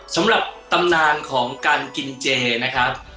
สำหรับตำนานของการกินเจนะครับ